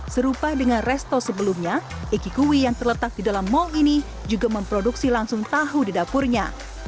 serupa dengan resto sebelumnya eki kui yang terletak di dalam mall ini juga memproduksi langsung tahu di dapurnya